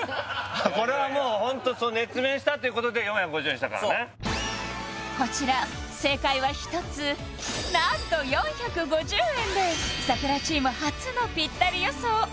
これはもうホントそう熱弁したっていうことで４５０円にしたからねそうこちら正解は１つ何と４５０円で櫻井チーム初のぴったり予想